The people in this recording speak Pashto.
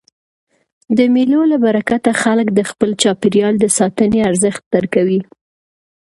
د مېلو له برکته خلک د خپل چاپېریال د ساتني ارزښت درکوي.